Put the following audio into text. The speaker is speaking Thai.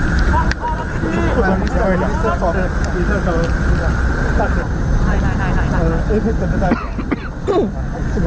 สวัสดีค่ะ